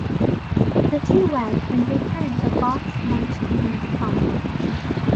The two wed and return to Boq's Munchkinland farm.